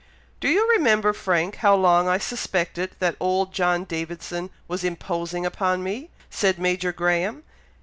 "Do you remember, Frank, how long I suspected that old John Davidson was imposing upon me?" said Major Graham.